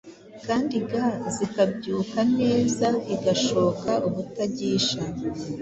Kandi ga zikabyuka neza igashoka ubutagisha